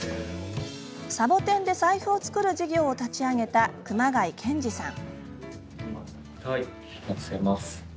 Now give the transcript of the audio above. サボテンで財布を作る事業を立ち上げた熊谷渓司さん。